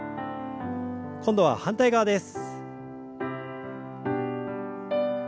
今度は反対側です。